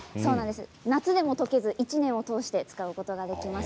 夏でもとけず１年を通して使うことができます。